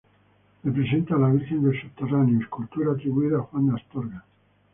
Representa a la Virgen del Subterráneo, escultura atribuida a Juan de Astorga.